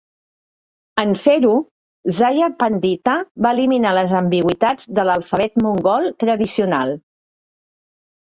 En fer-ho, Zaya Pandita va eliminar les ambigüitats de l'alfabet mongol tradicional.